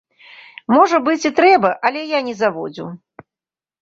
Можа быць і трэба, але я не заводзіў.